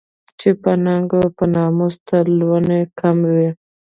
چې په ننګ او په ناموس تر لوڼو کم وي